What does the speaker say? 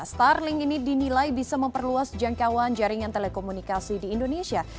starling ini dinilai bisa memperluas jangkauan jaringan telekomunikasi di indonesia